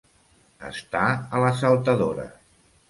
Estar a la saltadora.